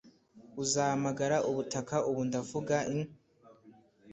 uzahamagara ubutaha ubu ndavuga I